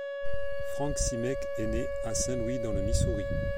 Frank Simek est né à Saint-Louis dans le Missouri.